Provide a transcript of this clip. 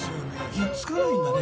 くっつかないんだね